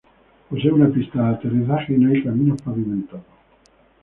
Posee una pista de aterrizaje y no hay caminos pavimentados.